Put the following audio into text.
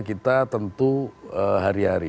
kita tentu hari hari